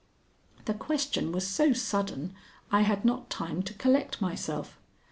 The question was so sudden I had not time to collect myself.